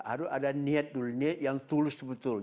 harus ada niat dulu niat yang tulus betul